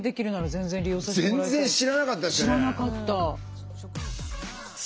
全然知らなかったですね。